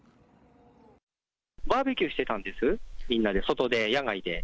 バーベキューしてたんです、みんなで外で、野外で。